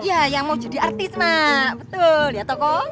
iya yang mau jadi artis mak betul ya tokoh